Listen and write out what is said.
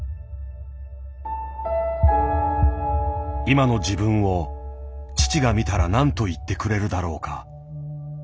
今の自分を父が見たら何と言ってくれるだろうか。